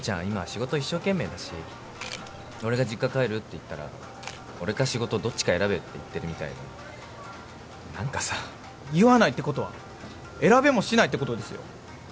今仕事一生懸命だし俺が実家帰るって言ったら俺か仕事どっちか選べって言ってるみたいで何かさ言わないってことは選べもしないってことですよ